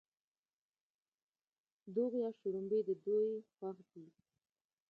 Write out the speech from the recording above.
دوغ یا شړومبې د دوی خوښ دي.